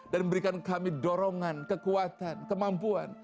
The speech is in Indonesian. dan berikan kami dorongan kekuatan kemampuan